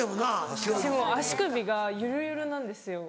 私もう足首がゆるゆるなんですよ。